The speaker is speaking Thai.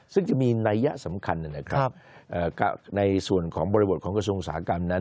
ซึ่งจะมีนัยยะสำคัญนะครับในส่วนของบริบทของกระทรวงอุตสาหกรรมนั้น